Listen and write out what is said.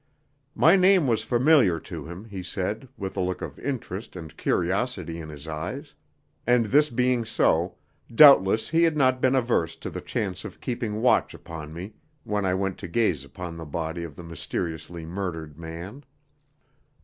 My name was familiar to him, he said, with a look of interest and curiosity in his eyes; and this being so, doubtless he had not been averse to the chance of keeping watch upon me when I went to gaze upon the body of the mysteriously murdered man.